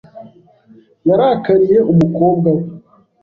Yarakariye umukobwa we.